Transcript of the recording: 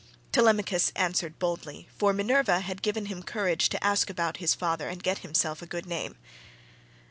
Telemachus answered boldly, for Minerva had given him courage to ask about his father and get himself a good name.